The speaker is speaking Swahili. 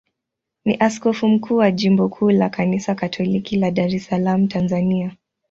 ni askofu mkuu wa jimbo kuu la Kanisa Katoliki la Dar es Salaam, Tanzania.